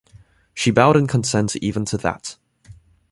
She bowed in consent even to that.